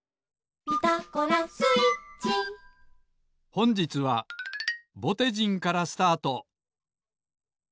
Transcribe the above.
ほんじつはぼてじんからスタート！